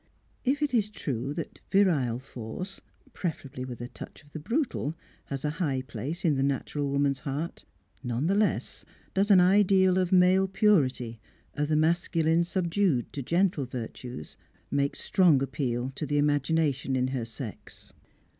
If it is true that virile force, preferably with a touch of the brutal, has a high place in the natural woman's heart, none the less does an ideal of male purity, of the masculine subdued to gentle virtues, make strong appeal to the imagination in her sex.